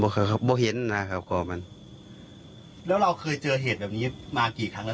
บอกเห็นนะครับก็มันแล้วเราเคยเจอเหตุแบบนี้มากี่ครั้งแล้ว